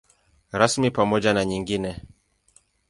Rasmi pamoja na nyingine.